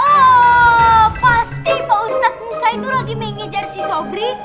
oh pasti pak ustadz musa itu lagi mengejar si sobri